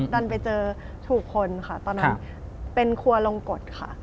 ดันไปเจอถูกคนค่ะตอนนั้นเป็นครัวลงกฎค่ะ